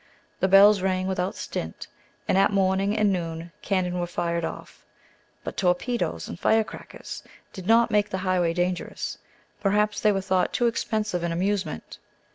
The bells rang without stint, and at morning and noon cannon were fired off. But torpedoes and fire crackers did not make the highways dangerous; perhaps they were thought too expensive an amusement.